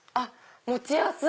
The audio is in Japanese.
持ちやすい！